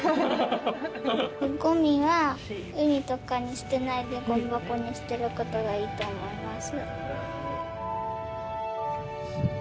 ごみは海とかに捨てないでごみ箱に捨てることがいいと思います